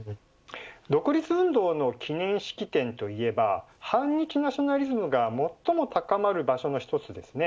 独立運動の記念式典といえば反日ナショナリズムが最も高まる場所の１つですね。